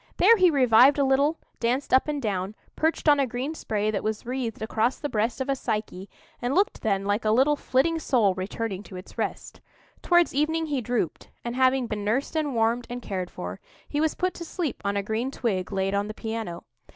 There he revived a little, danced up and down, perched on a green spray that was wreathed across the breast of a Psyche, and looked then like a little flitting soul returning to its rest. Towards evening he drooped; and, having been nursed and warmed and cared for, he was put to sleep on a green twig laid on the piano.